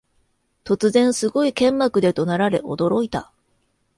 突然、すごい剣幕で怒鳴られ驚いた